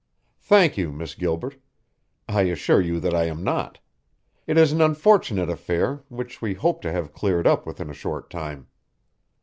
"Thank you, Miss Gilbert. I assure you that I am not. It is an unfortunate affair, which we hope to have cleared up within a short time."